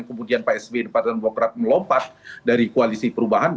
kemudian pak sb dan partai demokrat melompat dari koalisi perubahan